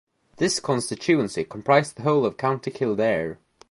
This constituency comprised the whole of County Kildare.